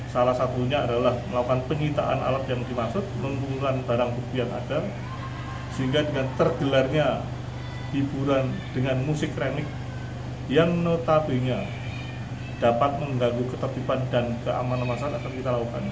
salah satunya adalah melakukan penyitaan alat yang dimaksud mengumpulkan barang bukti yang ada sehingga dengan tergelarnya hiburan dengan musik kremik yang notabene dapat mengganggu ketertiban dan keamanan masyarakat akan kita lakukan